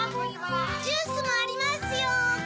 ジュスもありますよ。